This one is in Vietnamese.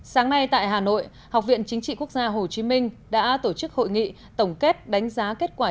sáng nay tại hà nội học viện chính trị quốc gia hồ chí minh đã tổ chức hội nghị tổng kết đánh giá kết quả